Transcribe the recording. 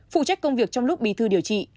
phụ trách công việc trong lúc bí thư điều trị